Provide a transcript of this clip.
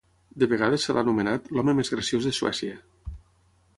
De vegades se l'ha anomenat "l'home més graciós de Suècia".